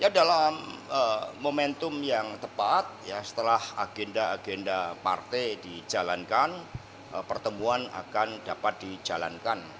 dalam momentum yang tepat setelah agenda agenda partai dijalankan pertemuan akan dapat dijalankan